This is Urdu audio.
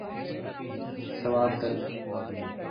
سوات کرنا